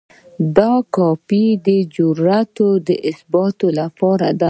دا کاپي د اجرااتو د اثبات لپاره ده.